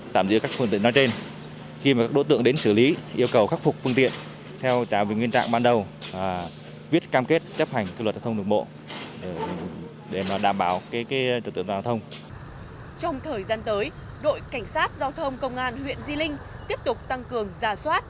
trong thời gian tới đội cảnh sát giao thông công an huyện di linh tiếp tục tăng cường giả soát